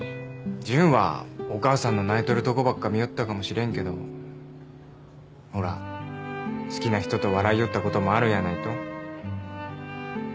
純はお母さんの泣いとるとこばっか見よったかもしれんけどほら好きな人と笑いよったこともあるんやないと？